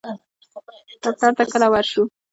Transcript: ډاکټر ته کله ورشو؟